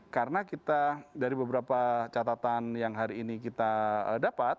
karena kita dari beberapa catatan yang hari ini kita dapat